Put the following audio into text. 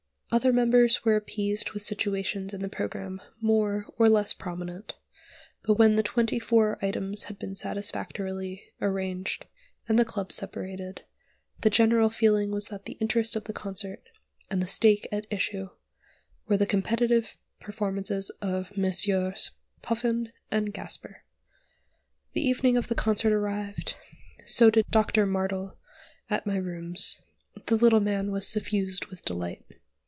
Other members were appeased with situations in the programme more or less prominent, but when the twenty four items had been satisfactorily arranged, and the club separated, the general feeling was that the interest of the concert, and the stake at issue, were the competitive performances of Messrs. Puffin and Gasper. The evening of the concert arrived: so did Doctor Martel at my rooms: the little man was suffused with delight.